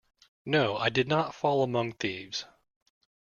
No, I did not fall among thieves.